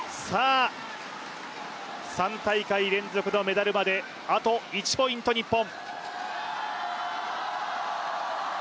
３大会連続のメダルまであと１ポイント、日本。